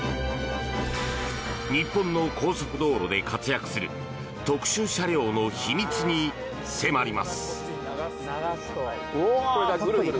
日本の高速道路で活躍する特殊車両の秘密に迫ります。